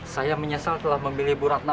saya menyesal telah memilih bu ratna